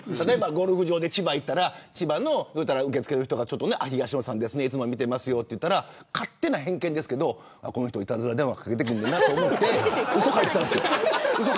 ゴルフ場で千葉に行ったら受付の人が東野さんですねいつも見てますよと言ったら勝手な偏見ですけどこの人いたずら電話かけてくるんだろうなと思ってうそ書いてたんですよ。